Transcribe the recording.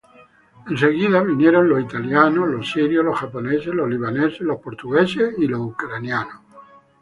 En seguida vinieron los italianos, sirios, japoneses, libaneses, portugueses y ucranianos.